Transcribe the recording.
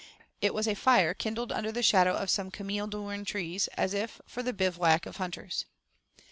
It was a fire kindled under the shadow of some cameel doorn trees, as if for the bivouac of hunters.